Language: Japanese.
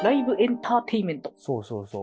そうそうそう。